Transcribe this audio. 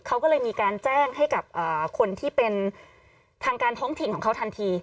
เขาก็เลยมีการแจ้งให้กับคนที่เป็นทางการท้องถิ่นของเขาทันที